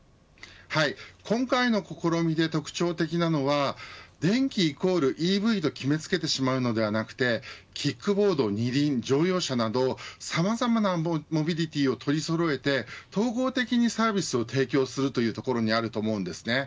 今回の試みで特徴的なのは電気＝ＥＶと決めつけてしまうのではなくてキックボード、二輪、乗用車などさまざまなモビリティを取りそろえて総合的にサービスを提供するというところにあると思うんですね。